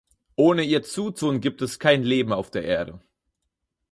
Ohne ihr Zutun gibt es kein Leben auf der Erde.